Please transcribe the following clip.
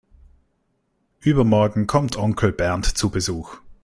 Übermorgen kommt Onkel Bernd zu Besuch.